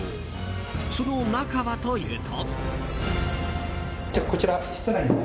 その中はというと。